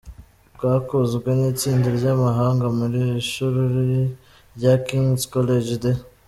bwakozwe n’itsinda ry’abahanga muri ishuri rya King's College de